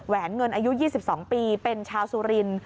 แวนเงินอายุ๒๒ปีเป็นชาวสุรินทร์